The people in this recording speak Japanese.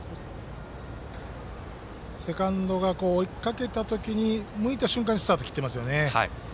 セカンドが、かけたときに向いた瞬間にスタート切ってますよね。